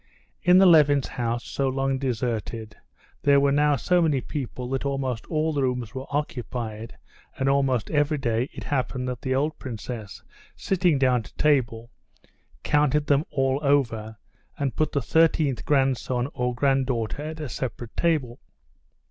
In the Levins' house, so long deserted, there were now so many people that almost all the rooms were occupied, and almost every day it happened that the old princess, sitting down to table, counted them all over, and put the thirteenth grandson or granddaughter at a separate table.